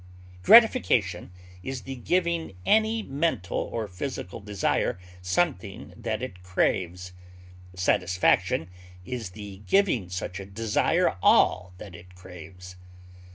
Gratification is the giving any mental or physical desire something that it craves; satisfaction is the giving such a desire all that it craves.